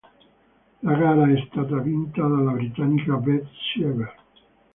La gara è stata vinta dalla britannica Beth Shriever.